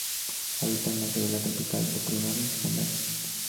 Habita en la selva tropical primaria y secundaria.